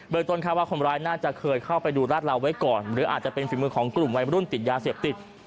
ต้นข้าวว่าคนร้ายน่าจะเคยเข้าไปดูราดเราไว้ก่อนหรืออาจจะเป็นฝีมือของกลุ่มวัยรุ่นติดยาเสพติด